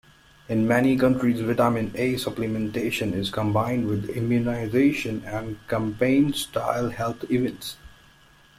In many countries, vitamin A supplementation is combined with immunization and campaign-style health events.